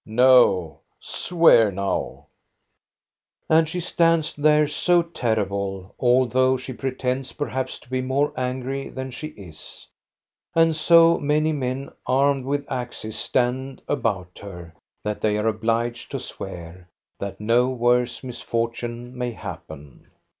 No, swear now !" And she stands there so terrible, although she pre tends perhaps to be more angry than she is, and so many men armed with axes stand about her, that they are obliged to swear, that no worse misfortune may happen.